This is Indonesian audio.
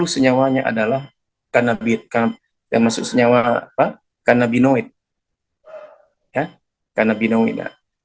enam puluh senyawanya adalah kanabinoid